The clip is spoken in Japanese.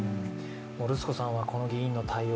もるすこさんはこの議員の対応